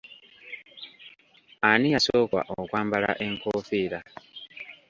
Ani yasooka okwambala enkoofiira?